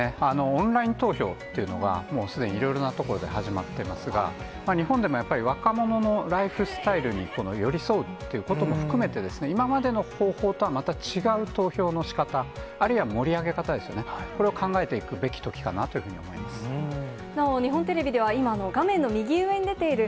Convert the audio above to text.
オンライン投票っていうのが、もうすでにいろいろなところで始まってますが、日本でもやっぱり若者のライフスタイルに寄り添うということも含めて、今までの方法とはまた違う投票のしかた、あるいは盛り上げ方ですよね、これを考えていくべきときかなとなお、日本テレビでは、今、画面の右上に出ている